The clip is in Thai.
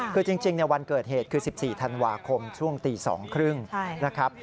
คือจริงวันเกิดเหตุคือ๑๔ธันวาคมช่วงตี๒๓๐นะครับ